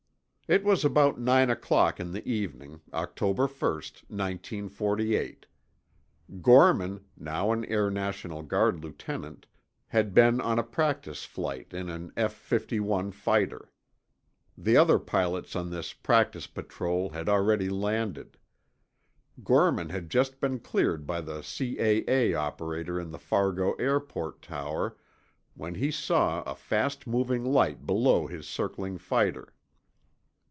It was about nine o'clock in the evening, October 1, 1948. Gorman, now an Air National Guard lieutenant, had been on a practice flight in an F 51 fighter. The other pilots on this practice patrol had already landed. Gorman had just been cleared by the C.A.A. operator in the Fargo Airport tower when he saw a fast moving light below his circling fighter.